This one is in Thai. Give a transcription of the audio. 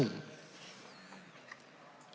ส่วนการฝึกอบรมในทักษะระดับสูงเนี่ยนะครับ